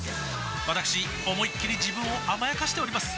わたくし思いっきり自分を甘やかしております